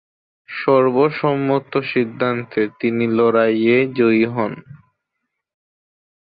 সর্বসম্মত সিদ্ধান্তে তিনি লড়াইয়ে জয়ী হন।